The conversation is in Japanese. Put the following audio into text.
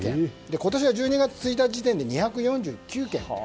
今年の１２月１日時点で２４９件です。